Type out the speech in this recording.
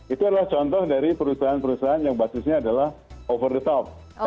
itu adalah contoh dari perusahaan perusahaan yang basisnya adalah over the top